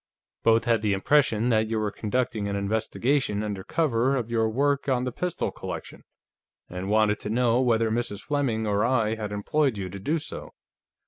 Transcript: Both had the impression that you were conducting an investigation under cover of your work on the pistol collection, and wanted to know whether Mrs. Fleming or I had employed you to do so."